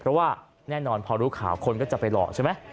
เพราะว่าแน่นอนพอรู้ข่าวคนก็จะไปหลอกใช่ไหม